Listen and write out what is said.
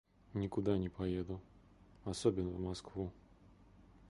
Никуда не поеду, особенно в Москву.